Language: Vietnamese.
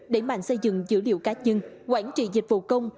để mạnh xây dựng dữ liệu cát dưng quản trị dịch vụ công